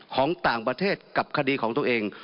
ของต่างประเทศกับคดีของตัวเอง